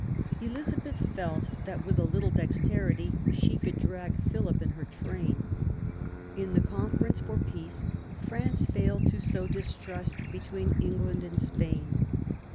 Elizabeth felt that with a little dexterity she could drag Philip in her train. In the conference for peace France failed to sow distrust between England and Spain.